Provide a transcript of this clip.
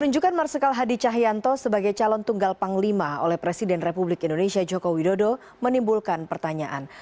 penunjukan marsikal hadi cahyanto sebagai calon tunggal panglima oleh presiden republik indonesia joko widodo menimbulkan pertanyaan